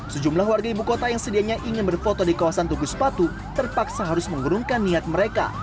sejumlah warga ibu kota yang sedianya ingin berfoto di kawasan tugu sepatu terpaksa harus mengurungkan niat mereka